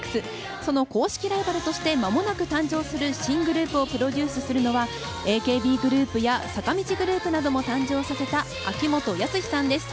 その公式ライバルとしてまもなく誕生する新グループをプロデュースするのはＡＫＢグループや坂道グループなども誕生させた秋元康さんです。